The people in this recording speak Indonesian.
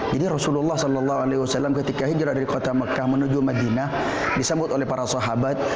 jadi rasulullah saw ketika hijrah dari kota makkah menuju madinah disambut oleh para sahabat